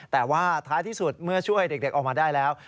แต่ว่าท้ายที่สุดเมื่อช่วยเด็กออกมาได้แล้ว